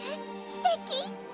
すてき？